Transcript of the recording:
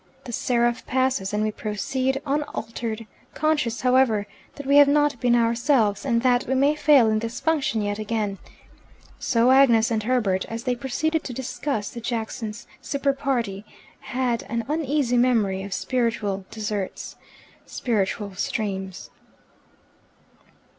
The seraph passes, and we proceed unaltered conscious, however, that we have not been ourselves, and that we may fail in this function yet again. So Agnes and Herbert, as they proceeded to discuss the Jackson's supper party, had an uneasy memory of spiritual deserts, spiritual streams.